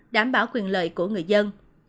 đảm bảo quyền lợi của người dân